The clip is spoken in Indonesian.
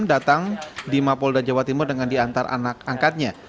datang di mapolda jawa timur dengan diantar anak angkatnya